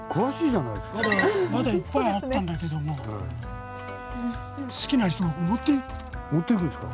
まだいっぱいあったんだけども持っていくんですか？